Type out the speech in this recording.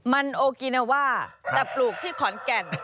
มันโอกินาว่าแต่ปลูกที่ขอนแก่น